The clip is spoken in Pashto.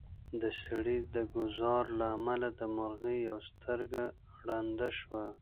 د سړي د ګوزار له امله د مرغۍ یوه سترګه ړنده شوه.